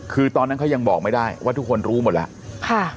คือตอนนั้นเขายังบอกไม่ได้ว่าทุกคนรู้หมดแล้ว